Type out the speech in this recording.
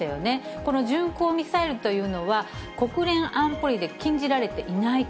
この巡航ミサイルというのは、国連安保理で禁じられていないと。